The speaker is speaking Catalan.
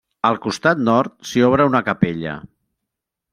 Al costat nord, s'hi obre una capella.